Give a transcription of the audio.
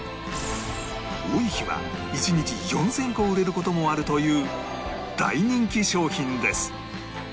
多い日は１日４０００個売れる事もあるという大人気商品です